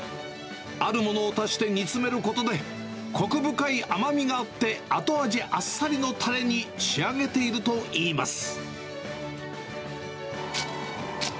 あるものを足して煮詰めることで、こく深い甘みがあって、後味あっさりのたれに仕上げているといいます。